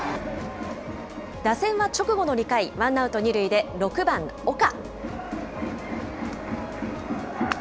打線は直後の２回、ワンアウト二塁で、６番岡。